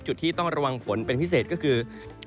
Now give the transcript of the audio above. จุดที่ต้องระวังฝนเป็นพิเศษก็คือ